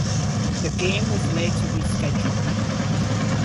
The game was later rescheduled.